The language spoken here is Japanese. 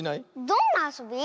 どんなあそび？